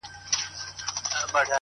زه خو یارانو نامعلوم آدرس ته ودرېدم ـ